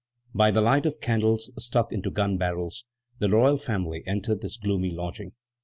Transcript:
By the light of candles stuck into gun barrels the royal family entered this gloomy lodging.